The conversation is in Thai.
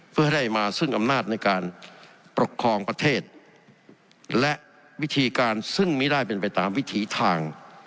เพื่อให้ได้มาซึ่งอำนาจในการปกครองประเทศและวิธีการซึ่งไม่ได้เป็นไปตามวิถีทาง